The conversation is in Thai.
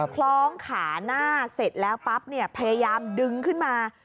คล้องขาหน้าเสร็จแล้วปั๊บเนี่ยพยายามดึงขึ้นมา